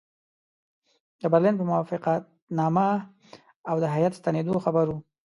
د برلین په موافقتنامه او د هیات ستنېدلو خبر وو.